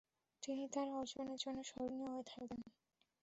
তিনি তার অর্জনের জন্য স্মরণীয় হয়ে থাকবেন।